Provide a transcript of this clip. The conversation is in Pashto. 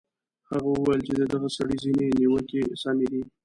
هغه ویل چې د دغه سړي ځینې نیوکې سمې دي.